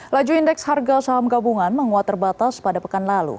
laju indeks harga saham gabungan menguat terbatas pada pekan lalu